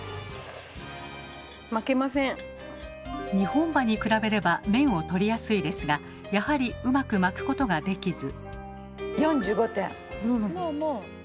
２本歯に比べれば麺を取りやすいですがやはりうまく巻くことができず。